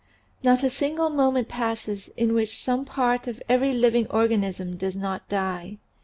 Not a single moment passes in which some part of every living organism does not die.